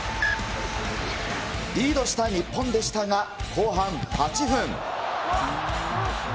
リードした日本でしたが、後半８分。